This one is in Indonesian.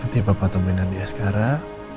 nanti papa temukan adiknya sekarang